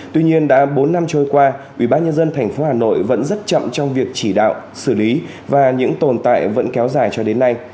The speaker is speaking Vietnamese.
tuy nhiên đã bốn năm trôi qua ủy ban nhân dân thành phố hà nội vẫn rất chậm trong việc chỉ đạo xử lý và những tồn tại vẫn kéo dài cho đến nay